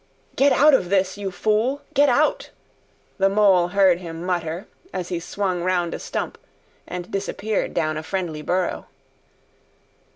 "Get out of this, you fool, get out!" the Mole heard him mutter as he swung round a stump and disappeared down a friendly burrow.